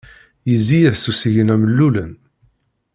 Yezzi-as usigna mellulen.